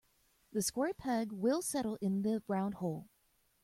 The square peg will settle in the round hole.